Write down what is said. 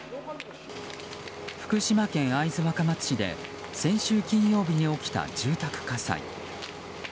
福島県会津若松市で先週金曜日に起きた住宅火災。